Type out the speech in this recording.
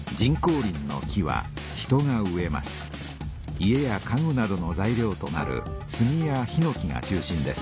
家や家具などの材料となるスギやヒノキが中心です。